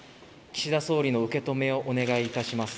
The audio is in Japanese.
岸田総理の受け止めをお願い致します。